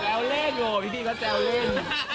แซวเล่นโหพี่พี่ก็แซวเล่น